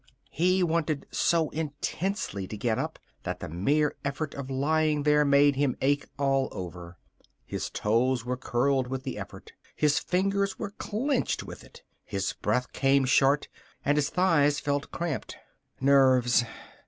He wanted so intensely to get up that the mere effort of lying there made him ache all over. His toes were curled with the effort. His fingers were clenched with it. His breath came short, and his thighs felt cramped. Nerves.